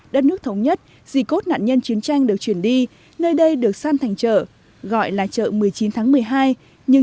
đất nước thống nhất dì cốt nạn nhân chiến tranh được chuyển đi nơi đây được san thành chợ gọi là chợ một mươi chín tháng một mươi hai nhưng nhân dân quen gọi là chợ một mươi chín tháng một mươi hai